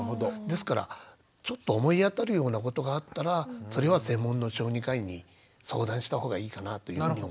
ですからちょっと思い当たるようなことがあったらそれは専門の小児科医に相談したほうがいいかなというように思います。